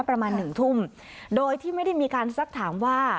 ประมาณหนึ่งทุ่มโดยที่ไม่ได้มีการสักถามว่า